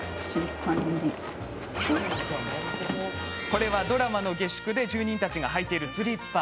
これは、ドラマの下宿で住人たちが履いているスリッパ。